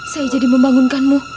saya jadi membangunkanmu